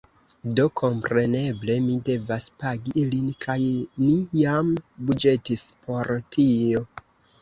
Do, kompreneble mi devas pagi ilin kaj ni jam buĝetis por tio